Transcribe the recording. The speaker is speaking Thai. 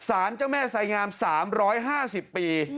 ศานเจ้าแม่ไซม์หงาม๓๕๐ปี